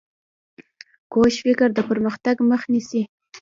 کوږ فکر د پرمختګ مخ نیسي